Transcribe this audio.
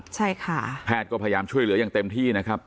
ใช่ค่ะแพทย์ก็พยายามช่วยเหลืออย่างเต็มที่นะครับ